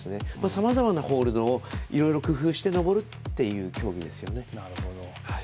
さまざまなホールドをいろいろ工夫して登るという競技ですよね。